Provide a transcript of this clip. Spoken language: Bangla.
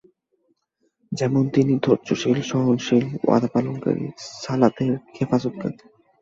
যেমন তিনি ছিলেন ধৈর্যশীল, সহনশীল, ওয়াদা পালনকারী, সালাতের হেফাজতকারী।